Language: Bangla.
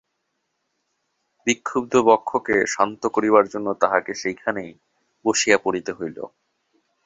বিক্ষুব্ধ বক্ষকে শান্ত করিবার জন্য তাহাকে সেইখানে বসিয়া পড়িতে হইল।